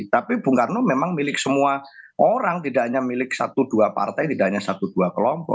tapi bung karno memang milik semua orang tidak hanya milik satu dua partai tidak hanya satu dua kelompok